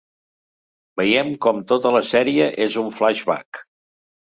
Veiem com tota la sèrie és un flashback.